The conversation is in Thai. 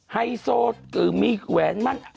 ไฮโซมีแหวนมั่น